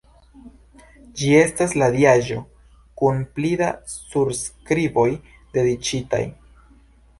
Ĝi estas la diaĵo kun pli da surskriboj dediĉitaj.